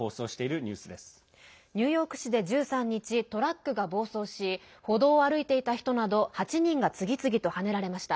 ニューヨーク市で１３日トラックが暴走し歩道を歩いていた人など８人が次々とはねられました。